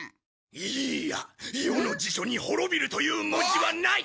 いや余の辞書に滅びるという文字はない。